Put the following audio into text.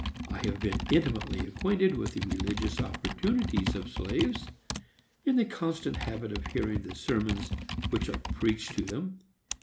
I have been intimately acquainted with the religious opportunities of slaves,—in the constant habit of hearing the sermons which are preached to them.